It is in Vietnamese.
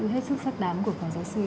được hết sức phát đám của phó giáo sư